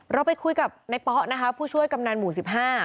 เราไปคุยกับนายป๊อนะฮะผู้ช่วยกำนานหมู่สิบห้า